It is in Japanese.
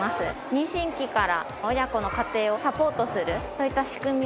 妊娠期から親子の家庭をサポートするそういった仕組みをですね